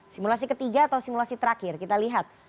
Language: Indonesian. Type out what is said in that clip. simulasi ketiga atau simulasi terakhir kita lihat